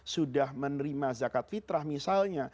sudah menerima zakat fitrah misalnya